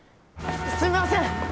すみません！